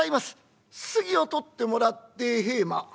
すすぎをとってもらって平馬。